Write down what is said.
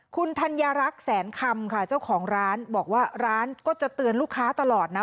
คุณธัญรักษ์แสนคำค่ะเจ้าของร้านบอกว่าร้านก็จะเตือนลูกค้าตลอดนะ